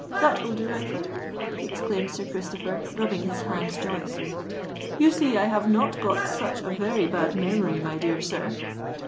that will do, I think," exclaimed Sir Christopher, rubbing his hands joyously. "You see I have not got such a very bad memory, my dear sir."